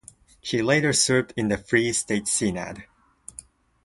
He later served in the Free State Seanad.